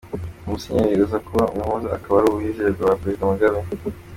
Uwo musenyeri uza kuba umuhuza akaba ari umwizerwa wa Perezida Mugabe .